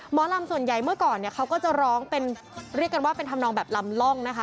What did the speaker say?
หมอลำส่วนใหญ่เมื่อก่อนเนี่ยเขาก็จะร้องเป็นเรียกกันว่าเป็นธรรมนองแบบลำล่องนะคะ